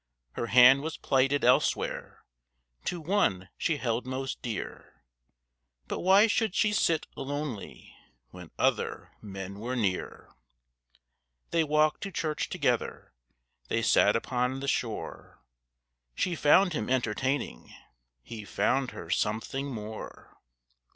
Her hand was plighted elsewhere To one she held most dear, But why should she sit lonely When other men were near? They walked to church together, They sat upon the shore. She found him entertaining, He found her something more.